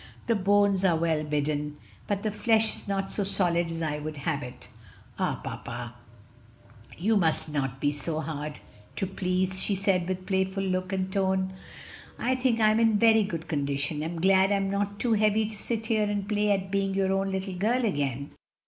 "The bones are well hidden, but the flesh is not so solid as I would have it." "Ah, papa, you must not be so hard to please!" she said, with playful look and tone. "I think I'm in very good condition; am glad I'm not too heavy to sit here and play at being your own little girl again.